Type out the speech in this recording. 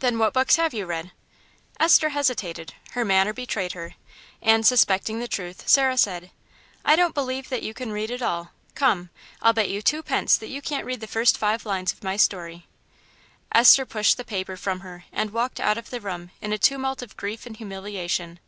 "Then what books have you read?" Esther hesitated, her manner betrayed her, and, suspecting the truth, Sarah said: "I don't believe that you can read at all. Come, I'll bet you twopence that you can't read the first five lines of my story." Esther pushed the paper from her and walked out of the room in a tumult of grief and humiliation.